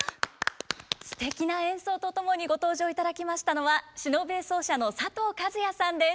すてきな演奏と共にご登場いただきましたのは篠笛奏者の佐藤和哉さんです。